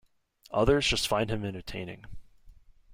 Others just find him entertaining.